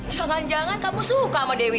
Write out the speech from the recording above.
jangan jangan kamu suka sama dewi